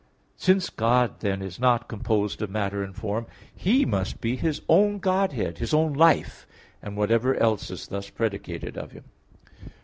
Since God then is not composed of matter and form, He must be His own Godhead, His own Life, and whatever else is thus predicated of Him.